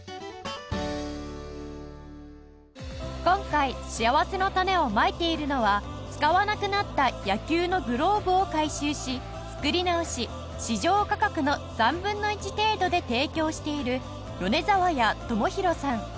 今回しあわせのたねをまいているのは使わなくなった野球のグローブを回収し作り直し市場価格の３分の１程度で提供している米沢谷友広さん